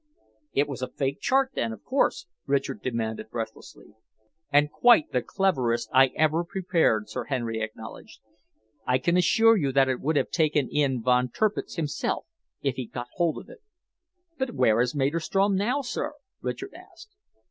"It was a faked chart, then, of course?" Richard demanded breathlessly. "And quite the cleverest I ever prepared," Sir Henry acknowledged. "I can assure you that it would have taken in Von Tirpitz himself, if he'd got hold of it." "But where is Maderstrom now, sir?" Richard asked.